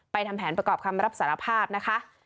ทำแผนประกอบคำรับสารภาพนะคะ